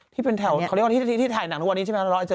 ที่เป็นแถวเขาเรียกว่าที่ถ่ายหนังทุกวันนี้ใช่ไหมครับน้ออาจารย์